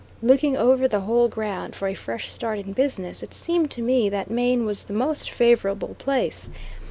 Looking over the whole ground for a fresh start in business, it seemed to me that Maine was the most favorable place.